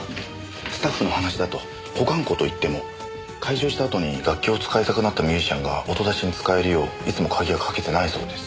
スタッフの話だと保管庫といっても開場した後に楽器を使いたくなったミュージシャンが音出しに使えるよういつも鍵はかけてないそうです。